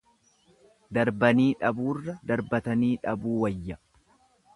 Darbanii dhabuurra darbatanii dhabuu wayya.